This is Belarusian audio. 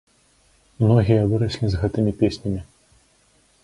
Многія выраслі з гэтымі песнямі.